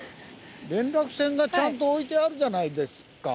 連絡船がちゃんと置いてあるじゃないですか。